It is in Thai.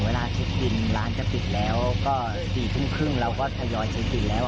มีหน้าที่ที่จะทำการศึกษ์คุณได้อยู่แล้ว